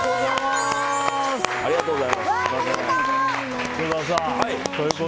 ありがとうございます。